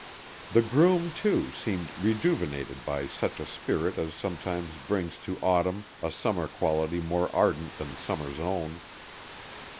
The groom, too, seemed rejuvenated by such a spirit as sometimes brings to autumn a summer quality more ardent than summer's own.